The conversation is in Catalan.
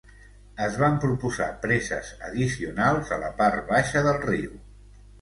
Es van proposar preses addicionals a la part baixa del riu.